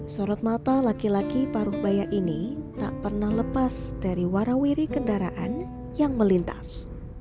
sorot mata laki laki paruh bayak ini tak pernah lepas dari warawiri kendaraan yang melintas